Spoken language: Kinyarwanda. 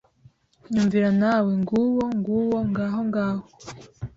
Nyumvira nawe Nguwo ! nguwo ! Ngaho ! ngaho !